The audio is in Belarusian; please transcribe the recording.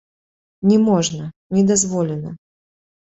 Не можна, не дазволена.